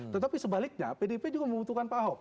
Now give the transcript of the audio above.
tetapi sebaliknya pdip juga membutuhkan pak ahok